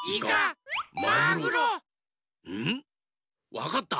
わかった。